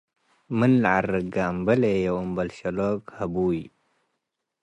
ምን ለዐርገ አምበልዬ ወአምበል ሸሎግ ሀቡይ